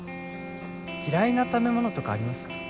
嫌いな食べ物とかありますか？